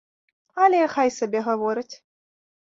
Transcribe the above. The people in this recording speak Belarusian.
Але хай сабе гаворыць.